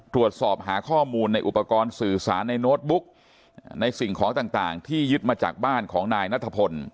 ตรวจสอบหาข้อมูลในอุปกรณ์สื่อสารในโน้ตบุ๊กในสิ่งของต่างที่ยึดมาจากบ้านของนายนัทพล